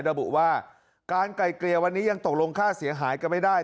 ระบุว่าการไกลเกลี่ยวันนี้ยังตกลงค่าเสียหายกันไม่ได้